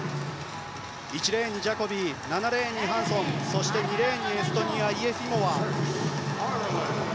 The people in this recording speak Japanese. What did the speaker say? １レーンにジャコビー７レーンにハンソンそして２レーンにエストニアのイェフィモワ。